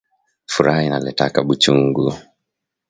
Furaha inaletaka buchungu